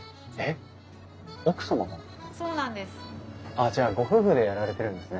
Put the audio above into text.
あっじゃあご夫婦でやられてるんですね。